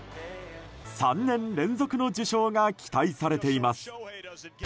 ３年連続の受賞が期待されています。